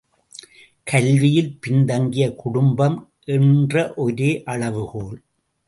கல்வியில் பின்தங்கிய குடும்பம் என்ற ஒரே அளவுகோல்!